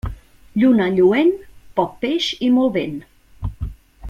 Lluna lluent, poc peix i molt vent.